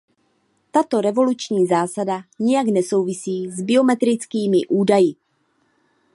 Tato revoluční zásada nijak nesouvisí s biometrickými údaji.